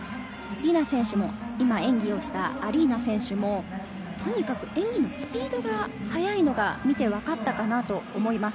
ディナ選手もアリーナ選手もとにかく演技のスピードが速いのが見て分かったかなと思います。